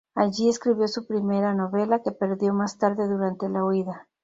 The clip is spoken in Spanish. Allí escribió su primera novela, que perdió más tarde durante la huida.